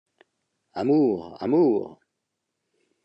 Amour, Amour!